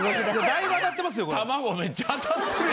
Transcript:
だいぶ当たってますよこれ。